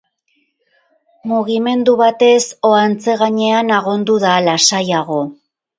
Mugimendu batez, ohantze gainean agondu da, lasaiago.